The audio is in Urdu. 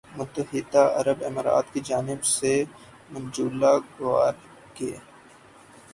متحدہ عرب امارات کی جانب سے منجولا گوروگے